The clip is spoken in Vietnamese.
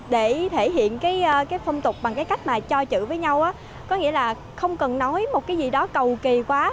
để thể hiện cái phong tục bằng cái cách mà cho chữ với nhau có nghĩa là không cần nói một cái gì đó cầu kỳ quá